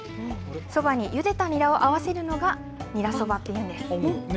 そばにゆでたニラを合わせるのがニラそばというんです。